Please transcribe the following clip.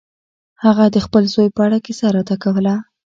هغه د خپل زوی په اړه کیسه راته کوله.